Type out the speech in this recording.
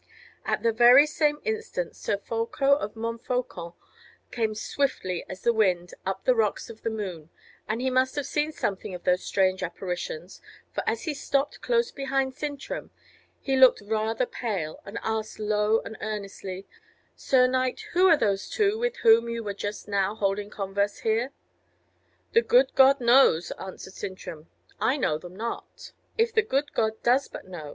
At the very same instant Sir Folko of Montfaucon came swiftly as the wind up the Rocks of the Moon, and he must have seen something of those strange apparitions, for as he stopped close behind Sintram, he looked rather pale, and asked low and earnestly: "Sir knight, who are those two with whom you were just now holding converse here?" "The good God knows," answered Sintram; "I know them not." "If the good God does but know!"